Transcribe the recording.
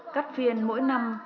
cắt phiên mỗi năm